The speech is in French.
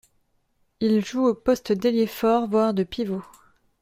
Il joue au poste d'ailier fort voire de pivot.